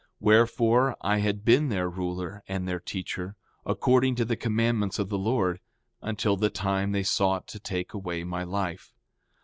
Wherefore, I had been their ruler and their teacher, according to the commandments of the Lord, until the time they sought to take away my life.